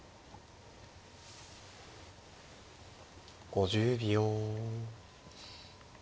５０秒。